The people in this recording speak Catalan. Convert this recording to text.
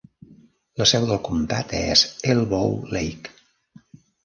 La seu del comtat és Elbow Lake.